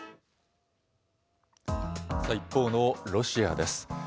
さあ、一方のロシアです。